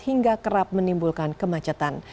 hingga kerap menimbulkan kemacetan